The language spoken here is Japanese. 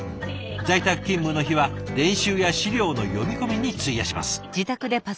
在宅勤務の日は練習や資料の読み込みに費やします。